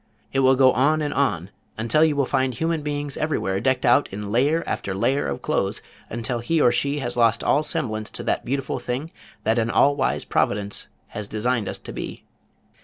It will go on and on until you will find human beings everywhere decked out in layer after layer of clothes until he or she has lost all semblance to that beautiful thing that an all wise Providence has designed us to be.